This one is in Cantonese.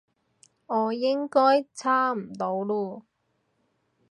我應該揸唔到嚕